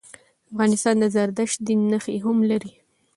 افغانستان د زردشت دین نښي هم لري.